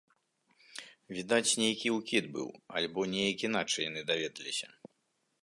Відаць, нейкі ўкід быў, альбо неяк іначай яны даведаліся.